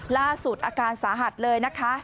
ล่าสุดอาการสาหัสเลยนะคะ